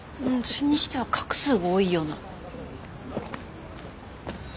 それにしては画数が多いような。